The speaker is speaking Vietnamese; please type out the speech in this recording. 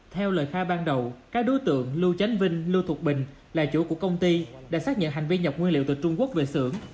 theo lời khai ban đầu các đối tượng lưu tránh vinh lưu thục bình là chủ của công ty đã xác nhận hành vi nhập nguyên liệu từ trung quốc về xưởng